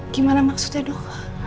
gimana maksudnya dok